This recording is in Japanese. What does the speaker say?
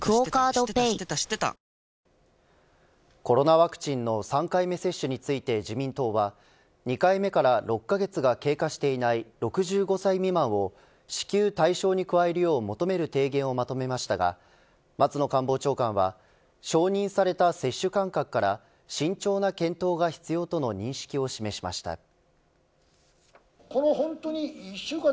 コロナワクチンの３回目接種について自民党は２回目から６カ月が経過していない６５歳未満を至急対象に加えるよう求める提言をまとめましたが松野官房長官は承認された接種間隔から慎重な検討が必要との認識を示しました。